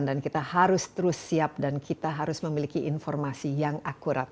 dan kita harus terus siap dan kita harus memiliki informasi yang akurat